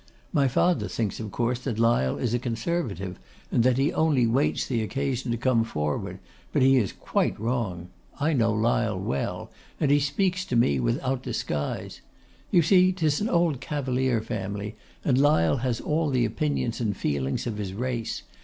My father thinks, of course, that Lyle is a Conservative, and that he only waits the occasion to come forward; but he is quite wrong. I know Lyle well, and he speaks to me without disguise. You see 'tis an old Cavalier family, and Lyle has all the opinions and feelings of his race.